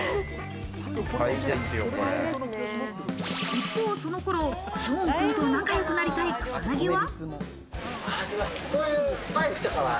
一方その頃、ショーンくんと仲良くなりたい草薙は。